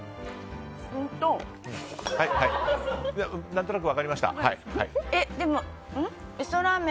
何となく分かりました。